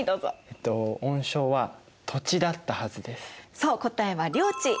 そう答えは領地。